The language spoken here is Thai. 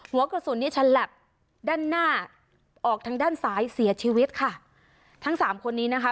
หัวกระสุนนี้ฉลับด้านหน้าออกทางด้านซ้ายเสียชีวิตค่ะทั้งสามคนนี้นะคะ